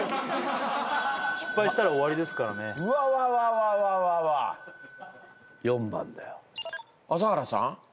失敗したら終わりですからねうわうわうわうわ４番だよ朝原さん？